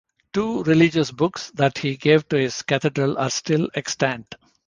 Two religious books that he gave to his cathedral are still extant.